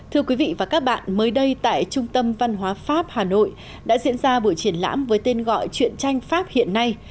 thưa quý vị và các bạn mới đây tại trung tâm văn hóa pháp hà nội đã diễn ra buổi triển lãm với tên gọi chuyện tranh pháp hiện nay